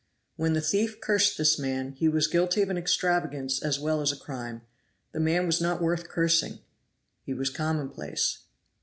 When the thief cursed this man, he was guilty of an extravagance as well as a crime; the man was not worth cursing he was commonplace.